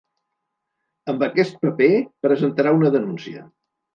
Amb aquest paper presentarà una denúncia.